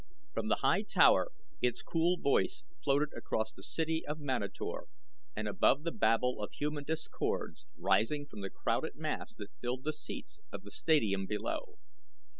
From The High Tower its cool voice floated across the city of Manator and above the babel of human discords rising from the crowded mass that filled the seats of the stadium below.